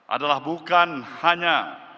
adalah bukan hanya